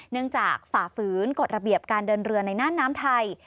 เนื่องจากฝาฝืนกฎระเบียบการเดินเรือในหน้าน้ำไทย